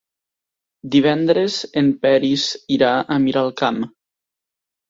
Divendres en Peris irà a Miralcamp.